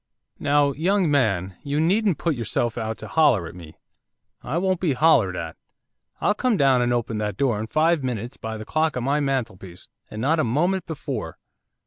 'Now, young man, you needn't put yourself out to holler at me, I won't be hollered at! I'll come down and open that door in five minutes by the clock on my mantelpiece, and not a moment before.